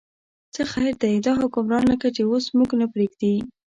څه خیر دی، دا حکمران لکه چې اوس موږ نه پرېږدي.